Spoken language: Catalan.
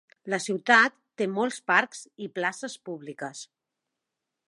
La ciutat té molts parcs i places públiques.